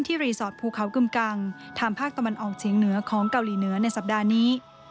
รีสอร์ทภูเขากึมกังทางภาคตะวันออกเฉียงเหนือของเกาหลีเหนือในสัปดาห์นี้